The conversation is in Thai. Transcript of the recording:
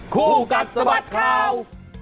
คู่กัดสะบัดข่าว